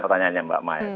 pertanyaannya mbak maya